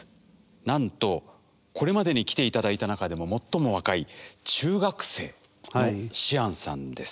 なんとこれまでに来て頂いた中でも最も若い中学生のシアンさんです。